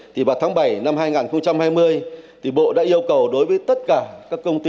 thì vào tháng bảy năm hai nghìn hai mươi thì bộ đã yêu cầu đối với tất cả các công ty